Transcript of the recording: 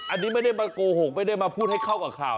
อันนี้ไม่ได้มาโกหกไม่ได้มาพูดให้เข้ากับข่าว